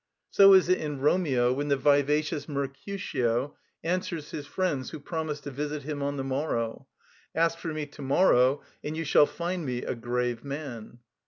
So is it in "Romeo" when the vivacious Mercutio answers his friends who promise to visit him on the morrow: "Ask for me to morrow, and you shall find me a grave man."